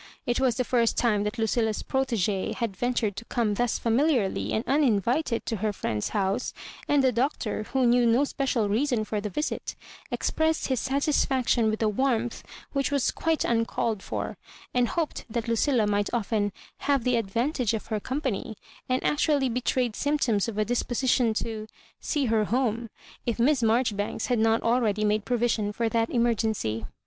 It was the first time that Lucilla's proiSgee had ventured to come thus fSeimiliarly and uninvited to her fHend's house ; and the Doctor, who knew no special reason for the visit expressed his satisfac tion with a warmth which was quite uncalled for, and hoped that Lucilla might often "have the advantage of her company;" and actually be trayed symptoms of a disposition to '* see her home/' if Miss Maijoribanks had not already made provision for that emergency.